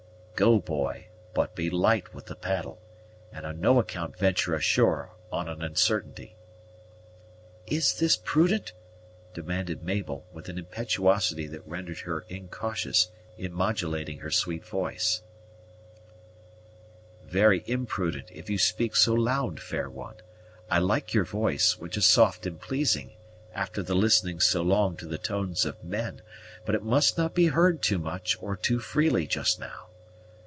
"Go boy but be light with the paddle, and on no account venture ashore on an onsartainty." "Is this prudent?" demanded Mabel, with an impetuosity that rendered her incautious in modulating her sweet voice. "Very imprudent, if you speak so loud, fair one. I like your voice, which is soft and pleasing, after the listening so long to the tones of men; but it must not be heard too much, or too freely, just now.